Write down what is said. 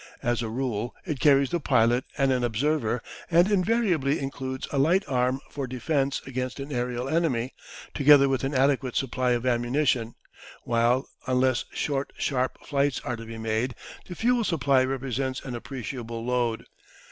As a rule it carries the pilot and an observer, and invariably includes a light arm for defence against an aerial enemy, together with an adequate supply of ammunition, while unless short sharp flights are to be made, the fuel supply represents an appreciable load.